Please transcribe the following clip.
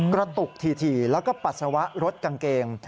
กระตุกถี่แล้วก็ปัสสาวะรถกางเกง